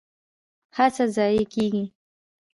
هڅه ضایع کیږي؟